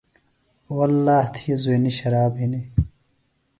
واللّٰہ تھی زوینیۡ شراب ہِنیۡ۔